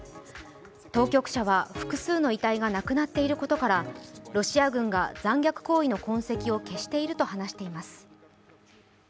当局者は複数の遺体がなくなっていることからロシア軍が残虐行為の痕跡を消していると話しています。